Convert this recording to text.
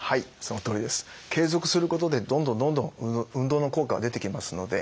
継続することでどんどんどんどん運動の効果は出てきますので。